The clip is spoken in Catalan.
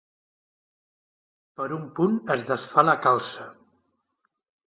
Per un punt es desfà la calça.